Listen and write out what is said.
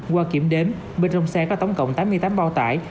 qua kiểm đếm bên trong xe có tổng cộng tám mươi tám bao tải